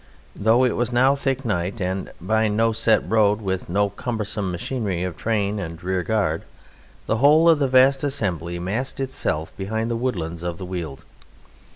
Though it was now thick night, by no set road and with no cumbersome machinery of train and rear guard, the whole of the vast assembly masked itself behind the woodlands of the Weald.